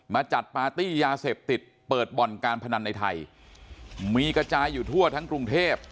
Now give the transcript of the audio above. จัดปาร์ตี้ยาเสพติดเปิดบ่อนการพนันในไทยมีกระจายอยู่ทั่วทั้งกรุงเทพ